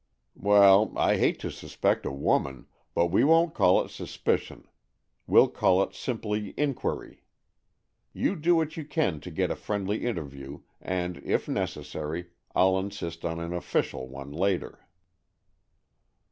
"Well, I hate to suspect a woman,—but we won't call it suspicion; we'll call it simply inquiry. You do what you can to get a friendly interview, and, if necessary, I'll insist on an official one later."